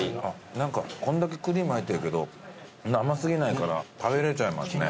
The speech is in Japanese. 何かこんだけクリーム入ってるけど甘過ぎないから食べれちゃいますね。